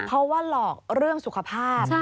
เพราะว่าหลอกเรื่องสุขภาพ